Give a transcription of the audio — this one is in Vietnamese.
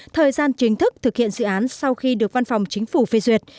thời gian chính thức thực hiện dự án sau khi được văn phòng chính phủ phê duyệt